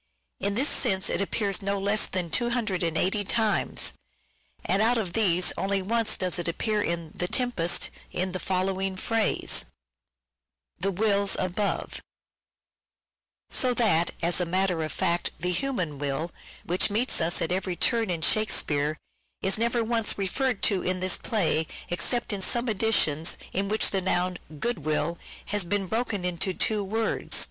In this sense it appears no less than 280 times, and out of these only once does it appear in " The Tempest," in the following phrase, " the wills above "; so that, as a matter of fact, the human will, which meets us at every turn in Shakespeare, is never once referred to in this play except in some editions in which the noun " good will " has been broken into two words.